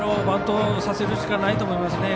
バントさせるしかないと思います。